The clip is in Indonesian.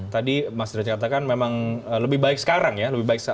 tadi mas derajat katakan memang lebih baik sekarang ya